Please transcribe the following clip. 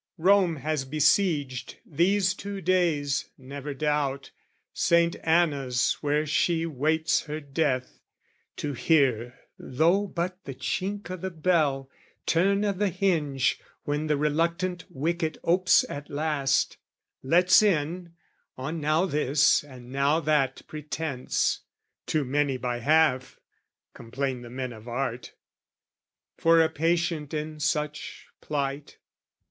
Rome has besieged, these two days, never doubt, Saint Anna's where she waits her death, to hear Though but the chink o' the bell, turn o' the hinge When the reluctant wicket opes at last, Lets in, on now this and now that pretence, Too many by half, complain the men of art, For a patient in such plight.